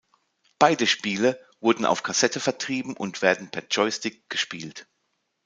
Beide Spiele wurden auf Kassette vertrieben und werden per Joystick gespielt.